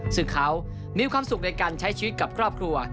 ซึ่งเขามีความสุขในการใช้ชีวิตกับครอบครัว